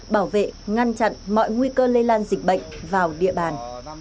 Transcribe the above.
bảo vệ ngăn chặn mọi nguy cơ lây lan dịch bệnh vào địa bàn